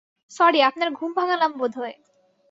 Sorry, আপনার ঘুম ভাঙালাম বোধহয়।